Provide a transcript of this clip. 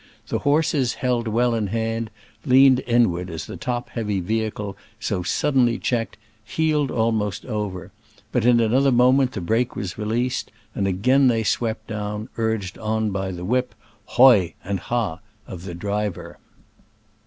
The horses, held well in hand, leant inward as the top heavy vehicle, so suddenly checked, heeled almost over ; but in another moment the brake was released, and again they swept down, urged onward by the whip, "hoi" and "ha" of the driver.